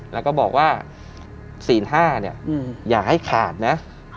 แล้วก็บอกว่า๔๕เนี่ยอย่าให้ขาดนะ